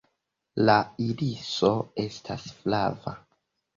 La iriso estas flava.